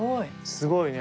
すごいね。